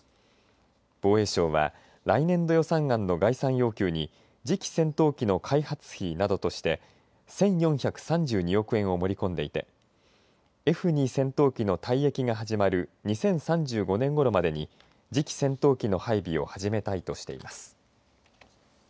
防衛省は来年度予算案の概算要求に次期戦闘機の開発費などとして１４３２億円を盛り込んでいてＦ２戦闘機の退役が始まる２０３５年ごろまでに次期戦闘機の配備を始めたいとしています。